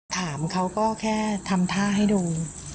ถามเขาก็แค่ทำท่าให้ดู